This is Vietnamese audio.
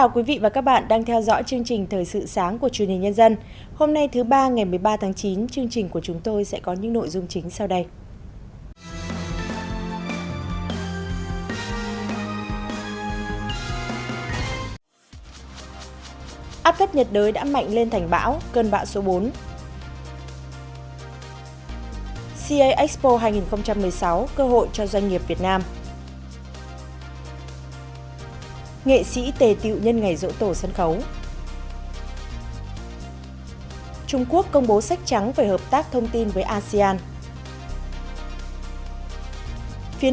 các bạn hãy đăng ký kênh để ủng hộ kênh của chúng tôi nhé